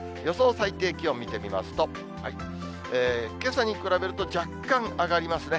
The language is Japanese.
最低気温見てみますと、けさに比べると、若干上がりますね。